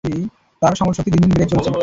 তার সমরশক্তি দিন দিন বেড়েই চলেছে।